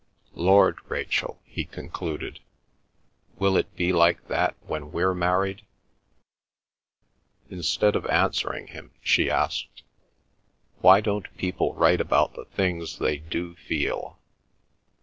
Lord, Rachel," he concluded, "will it be like that when we're married?" Instead of answering him she asked, "Why don't people write about the things they do feel?"